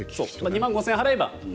２万５０００円払えば。